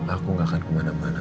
aku gak akan kemana mana